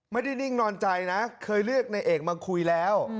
นิ่งนอนใจนะเคยเรียกในเอกมาคุยแล้ว